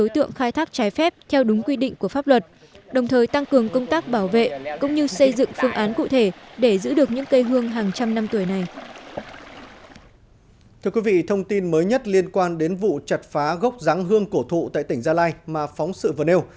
thưa quý vị thông tin mới nhất liên quan đến vụ chặt phá gốc ráng hương cổ thụ tại tỉnh gia lai mà phóng sự vừa nêu